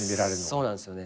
そうなんすよね。